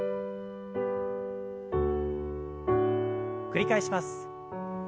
繰り返します。